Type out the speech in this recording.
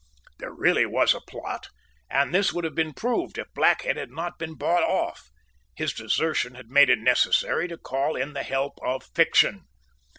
There really was a plot; and this would have been proved if Blackhead had not been bought off. His desertion had made it necessary to call in the help of fiction.